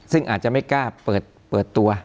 ซึ่งอาจจะไม่กล้าเปิดตัว